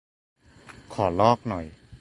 ขอลอกหน่อย